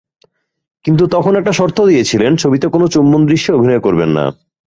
কিন্তু তখন একটা শর্ত দিয়েছিলেন, ছবিতে কোনো চুম্বন দৃশ্যে অভিনয় করবেন না।